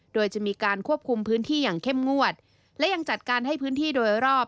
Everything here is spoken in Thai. โดยจะมีการควบคุมพื้นที่อย่างเข้มงวดและยังจัดการให้พื้นที่โดยรอบ